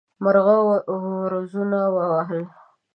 مرغه وزرونه ووهل.